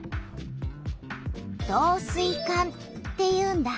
「導水管」っていうんだ。